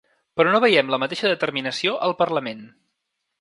Però no veiem la mateixa determinació al parlament.